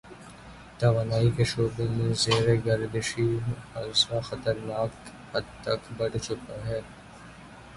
توانائی کے شعبے میں زیر گردشی قرضہ خطرناک حد تک بڑھ چکا ہے۔